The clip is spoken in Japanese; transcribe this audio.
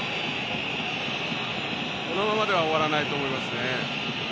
このままでは終わらないと思いますね。